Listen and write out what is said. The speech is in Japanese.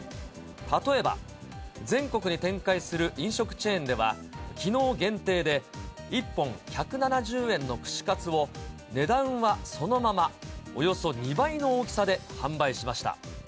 例えば、全国に展開する飲食チェーンでは、きのう限定で１本１７０円の串カツを、値段はそのまま、およそ２倍の大きさで販売しました。